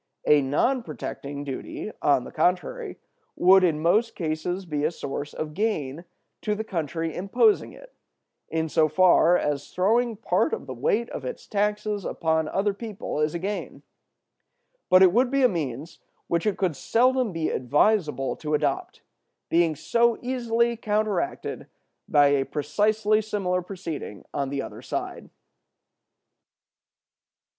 A non protecting duty, on the contrary, would in most cases be a source of gain to the country imposing it, in so far as throwing part of the weight of its taxes upon other people is a gain; but it would be a means which it could seldom be advisable to adopt, being so easily counteracted by a precisely similar proceeding on the other side.